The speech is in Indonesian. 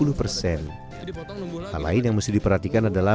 hal lain yang mesti diperhatikan adalah